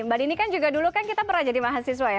mbak dini kan juga dulu kan kita pernah jadi mahasiswa ya